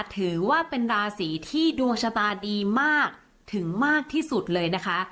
ถือว่าเป็นราศีที่ดวงชะตาดีมากถึงมากที่สุดเลยนะคะ